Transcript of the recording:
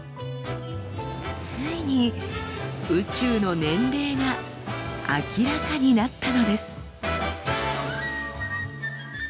ついに宇宙の年齢が明らかになったのです。